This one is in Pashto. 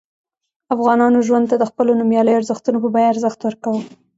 افغانانو ژوند ته د خپلو نوميالیو ارزښتونو په بیه ارزښت ورکاوه.